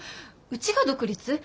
うちが独立？